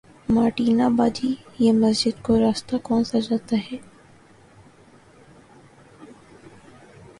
Martina باجی یہ مسجد کو راستہ کونسا جاتا ہے